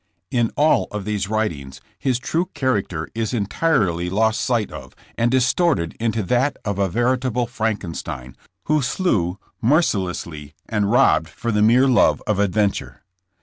In all of these writings his true character is entirely lost sight of and distorted into that of a veritable Frankenstein who slew mercilessly and robbed for the mere love of adventure.